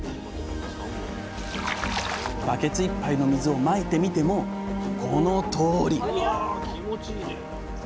バケツ１杯の水をまいてみてもこのとおり！